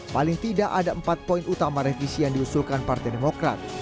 paling tidak ada empat poin utama revisi yang diusulkan partai demokrat